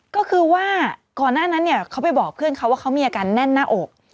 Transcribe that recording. ก็คือว่าก่อนหน้านั้นเนี่ยเขาไปบอกเพื่อนเขาว่าเขามีอาการแน่นหน้าอก